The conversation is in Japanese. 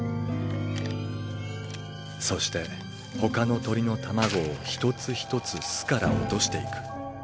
そしてほかの鳥の卵を一つ一つ巣から落としていく。